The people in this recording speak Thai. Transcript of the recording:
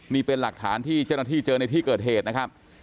นี่เป็นหลักฐานที่เจ้าหน้าที่เจอในที่เกิดเหตุนะครับ